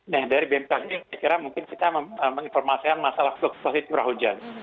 nah dari bmkg saya kira mungkin kita menginformasikan masalah covid curah hujan